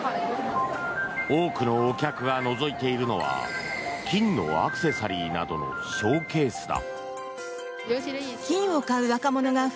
多くのお客がのぞいているのは金のアクセサリーなどのショーケースだ。